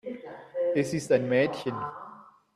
Es ist ein Mädchen.